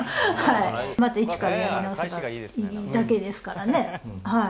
また一からやり直せばいいだけですからね。